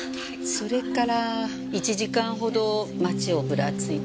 それから１時間ほど街をぶらついて。